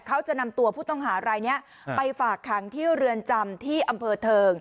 เขาจะนำตัวผู้ต้องหารายนี้ไปฝากขังที่เรือนจำที่อำเภอเทิง